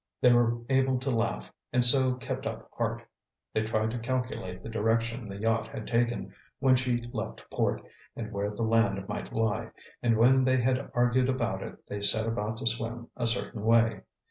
They were able to laugh, and so kept up heart. They tried to calculate the direction the yacht had taken when she left port, and where the land might lie; and when they had argued about it, they set out to swim a certain way.